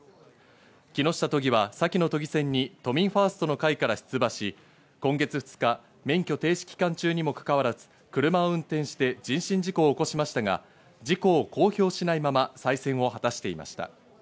木下都議は先の都議選に都民ファーストの会から出馬し、今月２日、免許停止期間中にもかかわらず車を運転して人身事故を起こしましたが、事故を公表しないまま再選されていました。